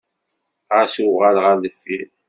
Ɣas uɣal ɣer deffir.